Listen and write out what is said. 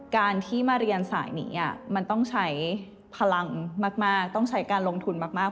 การที่มาเรียนสายนี้มันต้องใช้พลังมากต้องใช้การลงทุนมาก